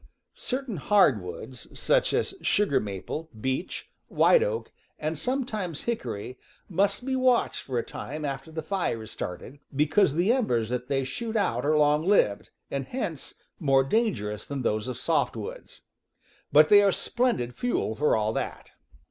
Certain hardwoods, such as sugar maple, beech, white oak, and sometimes hickory, must be watched for a time after the fire is started, because the embers that they shoot out are long lived, and hence more dangerous than those of softwoods; but they are splendid fuel for all that.